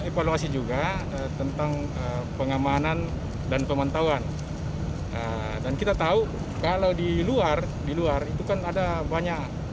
evaluasi juga tentang pengamanan dan pemantauan dan kita tahu kalau di luar di luar itu kan ada banyak